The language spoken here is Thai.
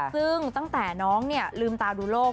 ซึ่งตั้งแต่น้องลืมตาดูโลก